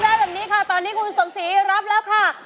ร้องได้แบบนี้ค่ะตอนนี้คุณสมศรีรับรับค่ะ